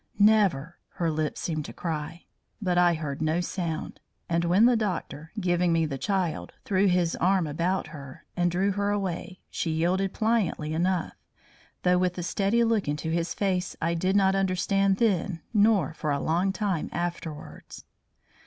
"Never!" her lips seemed to cry; but I heard no sound, and when the doctor, giving me the child, threw his arm about her and drew her away, she yielded pliantly enough, though with a steady look into his face I did not understand then nor for a long time afterwards.